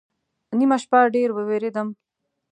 نیمه شپه ډېر ووېرېدم